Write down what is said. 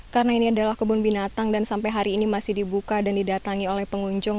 karena ini adalah kebun binatang dan sampai hari ini masih dibuka dan didatangi oleh pengunjung